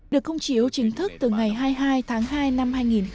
được công chiếu chính thức từ ngày hai mươi hai tháng hai năm hai nghìn một mươi chín